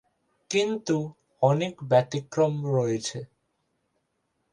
কিন্তু, অনেক ব্যতিক্রম রয়েছে।